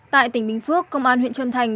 tại tỉnh bình phước công an huyện trân thành